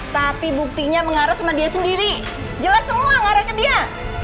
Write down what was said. tapi buktinya mengarah sama dia sendiri jelas semua ngarah ke dia